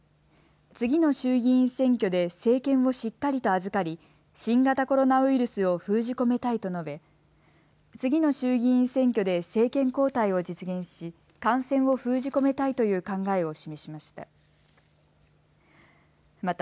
次の衆議院選挙で政権をしっかりと預かり新型コロナウイルスを封じ込めたいと述べ次の衆議院選挙で政権交代を実現し感染を封じ込めたいという考えを示しました。